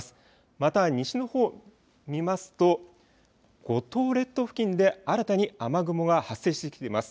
また西のほう見ますと、五島列島付近で新たに雨雲が発生してきています。